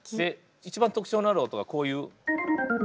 一番特徴のある音がこういう。